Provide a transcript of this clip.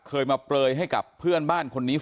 เคยมาเปลยให้กับเพื่อนบ้านคนนี้